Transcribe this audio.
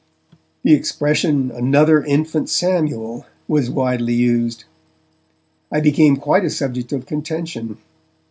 The expression 'another Infant Samuel' was widely used. I became quite a subject of contention.